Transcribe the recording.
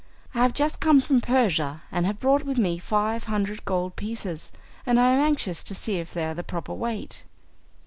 I have just come from Persia and have brought with me five hundred gold pieces, and I am anxious to see if they are the proper weight."